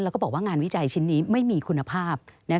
แล้วก็บอกว่างานวิจัยชิ้นนี้ไม่มีคุณภาพ